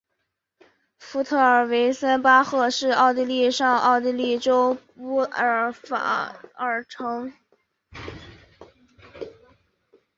福德尔魏森巴赫是奥地利上奥地利州乌尔法尔城郊县的一个市镇。